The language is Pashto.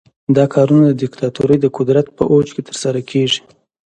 دا کارونه د دیکتاتورۍ د قدرت په اوج کې ترسره کیږي.